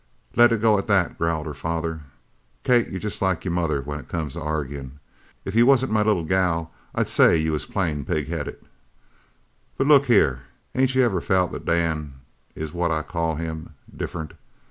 "Let it go at that," growled her father. "Kate, you're jest like your mother when it comes to arguin'. If you wasn't my little gal I'd say you was plain pig headed. But look here, ain't you ever felt that Dan is what I call him different?